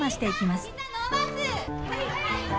はい！